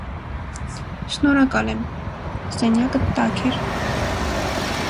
Շնորհակալ եմ, սենյակդ տաք էր: